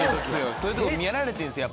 そういうとこ見られてるんですよ